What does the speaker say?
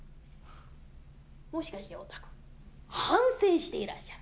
もしかしておたく、反省していらっしゃる？